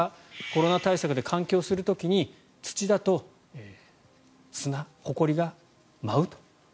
コロナ対策で換気をする時に土だと砂、ほこりが舞うと。